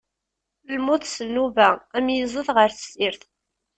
Lmut s nnuba, am yiẓid ɣeṛ tessirt.